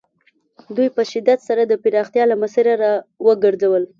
دوی په شدت سره د پراختیا له مسیره را وګرځول.